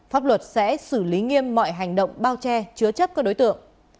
pháp luật sẽ xử lý nghiêm mọi hành động bao che chứa chấp các đối tượng